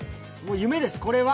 夢です、これは。